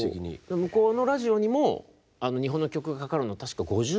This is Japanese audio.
向こうのラジオにも日本の曲がかかるの確か５０年ぶりぐらいだった。